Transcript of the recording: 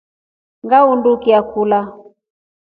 Ngandukia kulya.